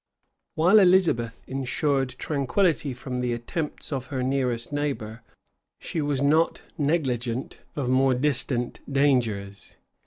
While Elizabeth insured tranquillity from the attempts of her nearest neighbor, she was not negligent of more distant dangers.